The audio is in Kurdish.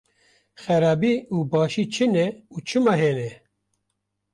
Xerabî û başî çi ne û çima hene?